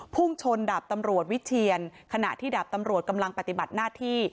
พุ่งชนดาบตำรวจวิเชียนขณะที่ดาบตำรวจกำลังปฏิบัติหน้าที่